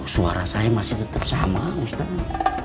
suara saya masih tetap sama ustadz